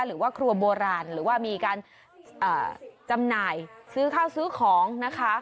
หรือว่าครัวโบราณหรือว่ามีการจำหน่ายซื้อข้าวซื้อของนะคะ